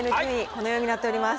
このようになっております。